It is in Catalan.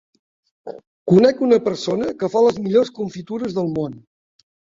Conec una persona que fa les millors confitures del món.